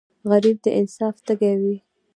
غریب د انصاف تږی وي